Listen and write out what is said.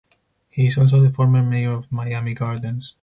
He is also the former mayor of Miami Gardens.